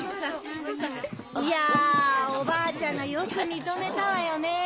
いやおばあちゃんがよく認めたわよねぇ。